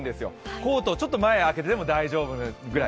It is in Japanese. コートをちょっと前開けてても大丈夫なくらい。